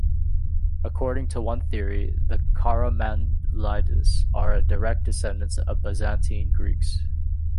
According to one theory the Karamanlides are the direct descendants of Byzantine Greeks.